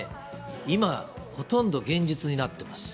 今ほとんど現実になってます。